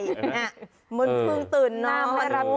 มันเพิ่งตื่นนอน